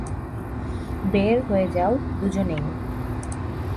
বের হয়ে যাও, দুজনেই।